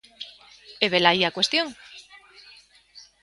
E velaí a cuestión.